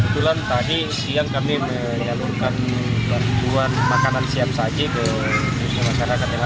kami menyalurkan dua makanan siap saja ke makanan makanan